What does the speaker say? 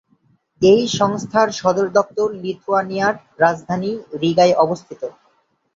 এই সংস্থার সদর দপ্তর লিথুয়ানিয়ার রাজধানী রিগায় অবস্থিত।